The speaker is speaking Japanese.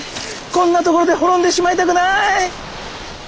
こんなところで滅んでしまいたくない。